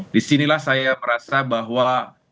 disinilah saya merasa bahwa